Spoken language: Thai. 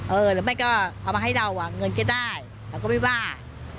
หรือไม่ก็เอามาให้เราอ่ะเงินก็ได้เราก็ไม่ว่า